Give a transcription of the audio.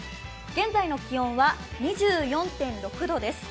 現在の気温は２４．６度です。